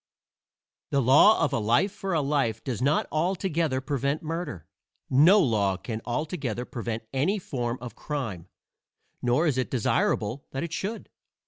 II The law of a life for a life does not altogether prevent murder. No law can altogether prevent any form of crime, nor is it desirable that it should.